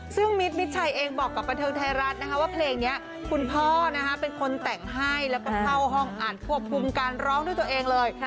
ซึ่งมิดมิดชัยเองบอกกับบันเทิงไทยรัฐนะคะว่าเพลงนี้คุณพ่อเป็นคนแต่งให้แล้วก็เข้าห้องอ่านควบคุมการร้องด้วยตัวเองเลย